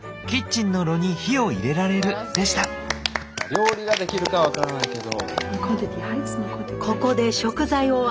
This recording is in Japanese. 料理ができるかは分からないけど。